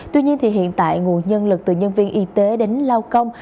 tuy nhiên hiện tại nguồn nhân lực từ nhân viên y tế đến lao công